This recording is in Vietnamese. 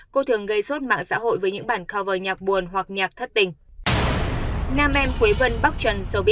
cô thường gây xốt mạng xã hội với những bản cover nhạc buồn hoặc nhạc thất tình